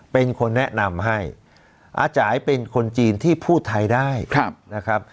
เป็นคนแนะนำให้อาจ่ายเป็นคนจีนที่พูดไทยได้นะครับ